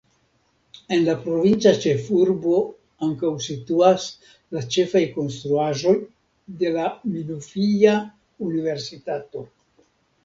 En la provinca ĉefurbo ankaŭ situas la ĉefaj konstruaĵoj de la Minufija-Universitato.